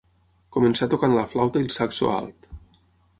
Començà tocant la flauta i el saxo alt.